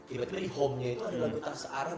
tiba tiba di home nya itu ada lagu taksa arab